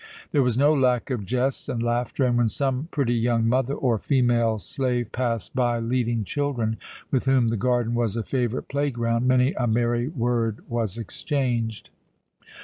There was no lack of jests and laughter, and when some pretty young mother or female slave passed by leading children, with whom the garden was a favourite playground, many a merry word was exchanged.